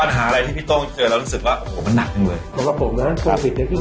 ปัญหาอะไรที่พี่โต้งเจอแล้วรู้สึกว่าโอ้โหมันหนักจังเลย